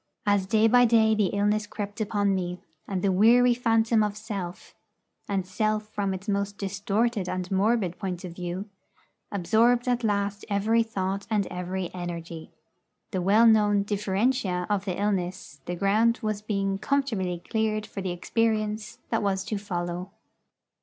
As day by day the illness crept upon me, and the weary phantom of Self and Self from its most distorted and morbid point of view absorbed at last every thought and every energy, the well known 'differentia' of the illness, the ground was being comfortably cleared for the experience that was to follow.